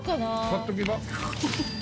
買っとけば。